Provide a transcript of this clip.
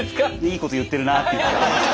いいこと言ってるなあって。